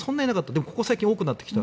でも、ここ最近多くなってきた。